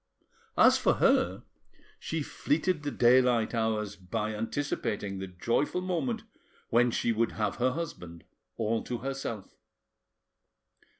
As for her, she fleeted the daylight hours by anticipating the joyful moment when she would have her husband all to herself.